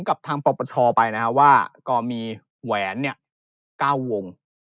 กับทางปกปเชาไปนะว่ามีแหวน๙วง